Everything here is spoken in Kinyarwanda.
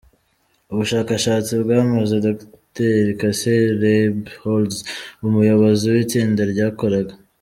ubushakashatsi bwamaze Docteur Casey Rebholz; umuyobozi w’itsinda ryakoraga